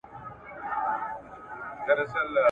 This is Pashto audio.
موږ که تور یو که بدرنګه یوکارګان یو !.